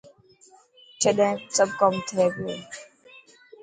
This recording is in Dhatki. چڏهن سب ڪم ٿي پيو.